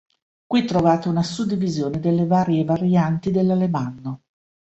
Qui trovate una suddivisione delle varie varianti dell'alemanno.